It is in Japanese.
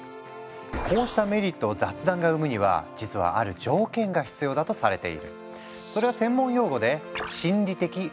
こうしたメリットを雑談が生むには実はある条件が必要だとされている。